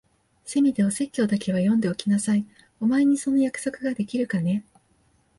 せめてお説教だけは読んでおきなさい。お前にその約束ができるかね？